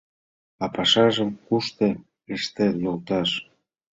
— А пашажым кушто ыштет, йолташ?